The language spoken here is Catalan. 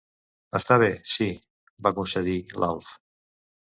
Està bé, sí —va concedir l'Alf.